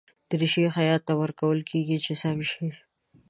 دریشي خیاط ته ورکول کېږي چې سم شي.